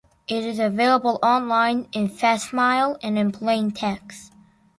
It is available online in facsimile and in plain text.